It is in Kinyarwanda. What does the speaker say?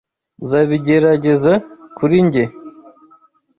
Uzabigerageza kuri njye?